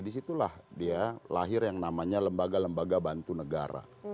disitulah dia lahir yang namanya lembaga lembaga bantu negara